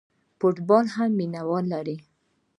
فوټبال هم مینه وال لري.